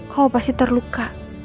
kau pasti terluka